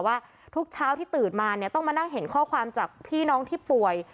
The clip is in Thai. ว่าทุกเช้าที่ตื่นมาเนี่ยต้องมานั่งเห็นข้อความจากพี่น้องที่ป่วย